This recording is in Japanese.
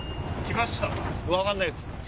分かんないっす。